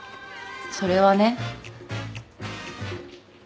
それはね